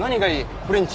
フレンチ？